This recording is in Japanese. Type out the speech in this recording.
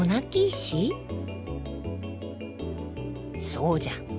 そうじゃ。